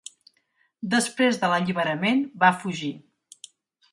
Després de l'Alliberament va fugir.